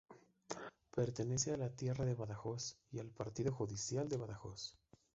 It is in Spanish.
Pertenece a la de Tierra de Badajoz y al Partido judicial de Badajoz.